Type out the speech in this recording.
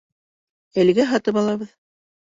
— Әлегә һатып алабыҙ.